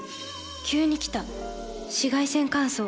急に来た紫外線乾燥。